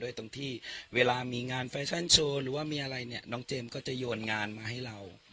ตรงที่เวลามีงานแฟชั่นโชว์หรือว่ามีอะไรเนี่ยน้องเจมส์ก็จะโยนงานมาให้เรา